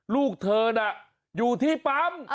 ลูกเธอน่ะอยู่ที่ปั๊ม